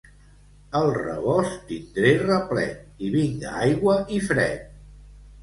El rebost tindré replet, i vinga aigua i fred.